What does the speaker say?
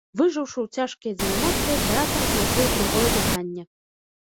Выжыўшы ў цяжкія дзевяностыя, тэатр знайшоў другое дыханне.